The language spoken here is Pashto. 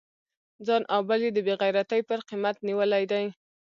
ځان او بل یې د بې غیرتی پر قیمت نیولی دی.